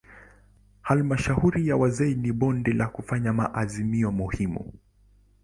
Halmashauri ya wazee ni bodi ya kufanya maazimio muhimu.